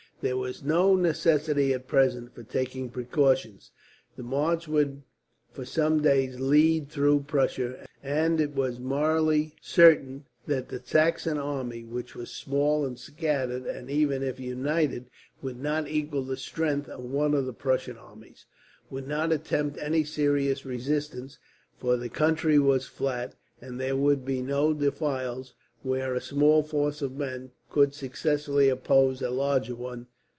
There was no necessity, at present, for taking precautions. The march would for some days lead through Prussia, and it was morally certain that the Saxon army which was small and scattered and, even if united, would not equal the strength of one of the Prussian armies would not attempt any serious resistance; for the country was flat, and there would be no defiles where a small force of men could successfully oppose a larger one.